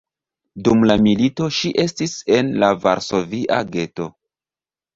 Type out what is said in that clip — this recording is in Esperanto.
Dum la milito ŝi estis en la Varsovia geto.